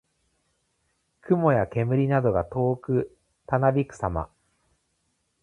雲や煙などが遠くたなびくさま。